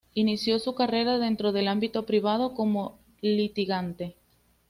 Inició su carrera dentro del ámbito privado como litigante.